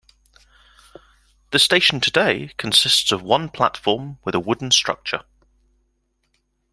The station today consists of one platform with a wooden structure.